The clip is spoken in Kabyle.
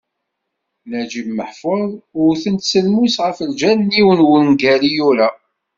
Naǧib Meḥfuḍ wten-t s lmus ɣef lǧal n yiwen n wungal i yura.